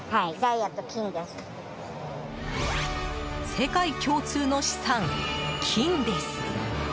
世界共通の資産、金です。